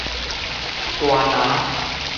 大林